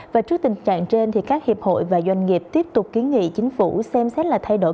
và trước tình trạng trên thì các hiệp hội và doanh nghiệp tiếp tục kiến nghị chính phủ xem xét là thay đổi